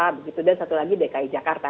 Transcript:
begitu dan satu lagi dki jakarta